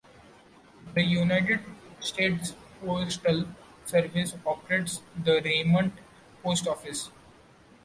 The United States Postal Service operates the Raymond Post Office.